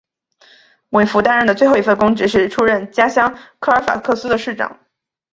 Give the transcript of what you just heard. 韦弗担任的最后一份公职是出任家乡科尔法克斯的市长。